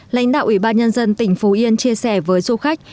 lãnh đạo ủy ban nhân dân tỉnh phú yên chia sẻ với du khách